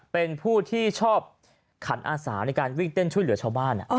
เป็นผู้ที่ชอบขันอาสาในการวิ่งเต้นช่วยเหลือชาวบ้าน